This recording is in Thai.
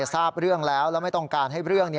ทราบเรื่องแล้วแล้วไม่ต้องการให้เรื่องนี้